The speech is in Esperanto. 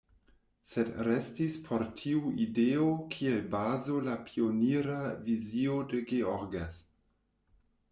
Sed restis por tiu ideo kiel bazo la pionira vizio de Georges.